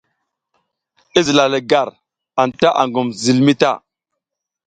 I zila le gar, anta a ngum a zilmi ta.